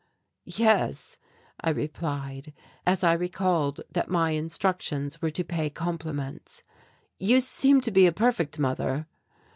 "Yes," I replied, as I recalled that my instructions were to pay compliments, "you seem to be a perfect mother."